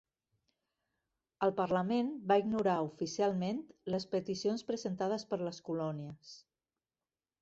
El Parlament va ignorar oficialment les peticions presentades per les colònies.